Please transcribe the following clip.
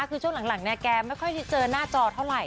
คือช่วงหลังเนี่ยแกไม่ค่อยได้เจอหน้าจอเท่าไหร